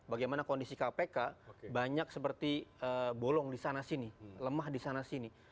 bagaimana kondisi kpk banyak seperti bolong di sana sini lemah di sana sini